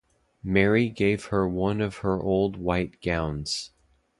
Mary gave her one of her old white gowns.